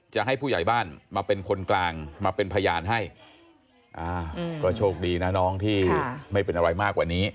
จะให้ผู้ใหญ่บ้านมาเป็นคนกลางมาเป็นพยานให้อ่าก็โชคดีนะน้องที่ไม่เป็นอะไรมากกว่านี้